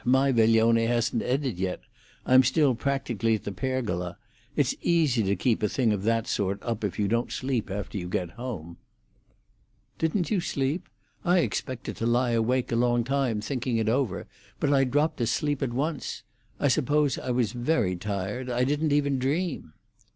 My veglione hasn't ended yet. I'm still practically at the Pergola. It's easy to keep a thing of that sort up if you don't sleep after you get home." "Didn't you sleep? I expected to lie awake a long time thinking it over; but I dropped asleep at once. I suppose I was very tired. I didn't even dream."